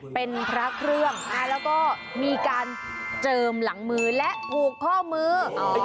เป็นพระเรื่องมีการเจิมหลังมือและปู่ข้อมือ